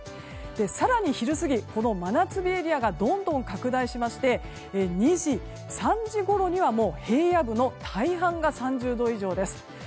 更に昼過ぎ、真夏日エリアがどんどん拡大しまして２時、３時ごろには平野部の大半が３０度以上です。